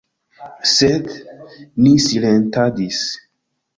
Sed ni silentadis.